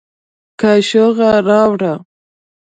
کاشوغه راوړه